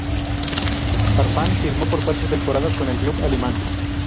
Farfán firmó por cuatro temporadas con el club alemán.